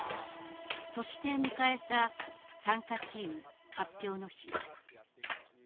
そして迎えた参加チーム発表の日。